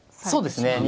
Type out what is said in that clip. そうですね。